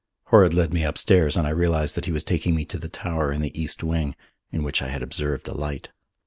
Horrod led me upstairs and I realized that he was taking me to the tower in the east wing, in which I had observed a light.